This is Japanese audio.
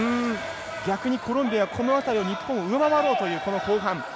逆にコロンビア、この辺り日本を上回ろうという後半。